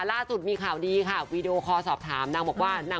ล่าสุดมีข่าวดีค่ะวีดีโอคอลสอบถามนางบอกว่านาง